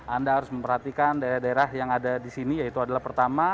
anda harus memperhatikan daerah daerah yang ada di sini yaitu adalah pertama